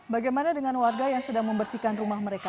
bagaimana dengan warga yang sedang membersihkan rumah mereka